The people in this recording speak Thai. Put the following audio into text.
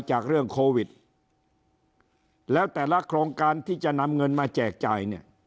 จากเรื่องโควิดแล้วแต่ละโครงการที่จะนำเงินมาแจกจ่ายเนี่ย